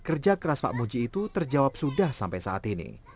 kerja keras pak muji itu terjawab sudah sampai saat ini